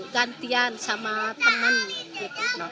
gantian sama teman